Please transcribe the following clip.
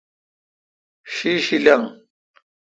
شی شی لنگ۔